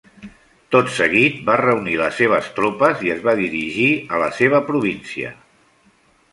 Tot seguit va reunir les seves tropes i es va dirigir a la seva província.